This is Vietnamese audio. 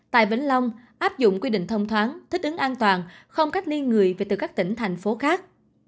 tại vĩnh long áp dụng quy định thông thoáng thích ứng an toàn không cách ly người về từ các tỉnh thành phố khác